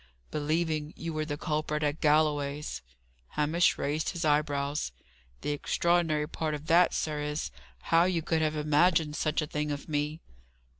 "Believing you were the culprit at Galloway's." Hamish raised his eyebrows. "The extraordinary part of that, sir, is, how you could have imagined such a thing of me."